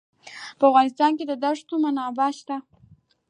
په افغانستان کې د دښتو منابع شته.